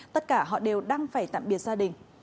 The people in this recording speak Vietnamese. tất cả họ đều đang phải tạm biệt gia đình